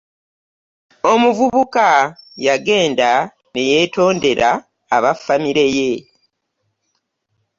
Omuvubuka yagenda ne yeetondera abaffamire ye.